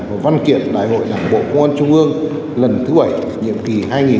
và văn kiện đại hội đảng bộ công an trung ương lần thứ bảy nhiệm kỳ hai nghìn hai mươi hai nghìn hai mươi năm